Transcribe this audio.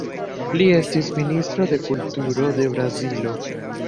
Li estis ministro de Kulturo de Brazilo.